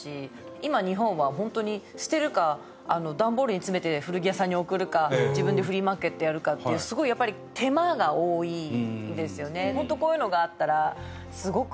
今日本はホントに捨てるか段ボールに詰めて古着屋さんに送るか自分でフリーマーケットやるかっていうすごいやっぱりいいですね。